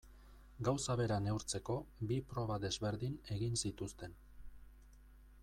Gauza bera neurtzeko bi proba desberdin egin zituzten.